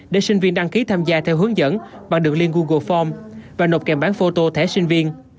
để sinh viên đăng ký tham gia theo hướng dẫn bằng được link google form và nộp kèm bán phô tô thẻ sinh viên